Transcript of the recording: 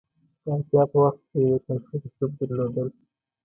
د اړتیا په وخت کې د یوې کاشوغې سوپ درلودل.